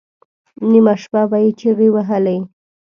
نیمه شپه به یې چیغې وهلې.